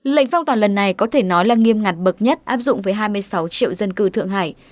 lệnh phong tỏa lần này có thể nói là nghiêm ngặt bậc nhất áp dụng với hai mươi sáu triệu dân cư thượng hải